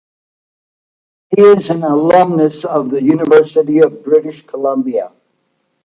He is an alumnus of the University of British Columbia.